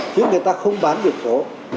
chứ người ta không bán được số